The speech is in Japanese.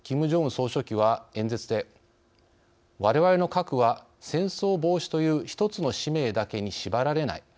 総書記は演説で「われわれの核は戦争防止という１つの使命だけに縛られない。